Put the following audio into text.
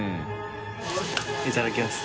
いただきます。